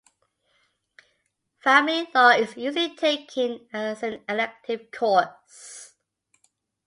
Family law is usually taken as an elective course.